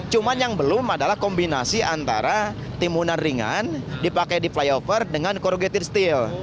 cuma yang belum adalah kombinasi antara timunan ringan dipakai di flyover dengan corrugated steel